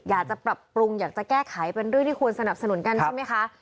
อยากจะปรับปรุงอยากจะแก้ไขเป็นเรื่องที่ควรสนับสนุนกันใช่ไหมคะ